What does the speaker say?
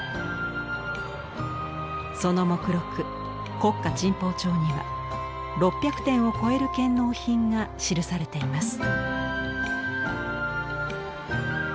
その目録「国家珍宝帳」には６００点を超える献納品が記されています。